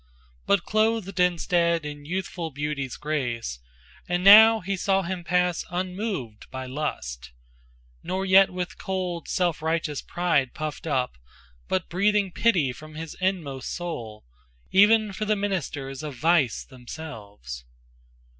But clothed instead in youthful beauty's grace. And now he saw him pass unmoved by lust, Nor yet with cold, self righteous pride puffed up, But breathing pity from his inmost soul E'en for the ministers of vice themselves.